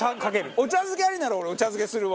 お茶漬けありなら俺お茶漬けするわ。